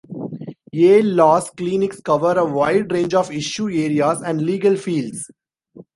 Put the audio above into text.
Yale Law's clinics cover a wide range of issue areas and legal fields.